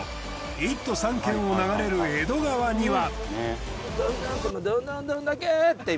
１都３県を流れる江戸川には。